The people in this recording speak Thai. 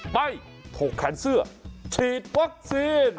ไม่ถกแขนเสื้อฉีดวัคซีน